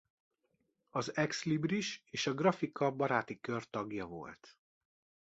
Az Ex-libris és Grafika Baráti Kör tagja volt.